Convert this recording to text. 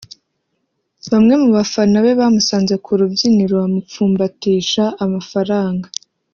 Bamwe mu bafana be bamusanze ku rubyiniro bamupfumbatisha amafaranga